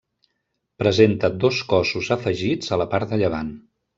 Presenta dos cossos afegits a la part de llevant.